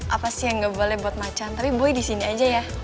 apa sih yang gak boleh buat macem tapi boy disini aja ya